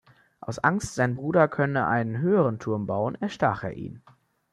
Aus Angst, sein Bruder könne einen höheren Turm bauen, erstach er ihn.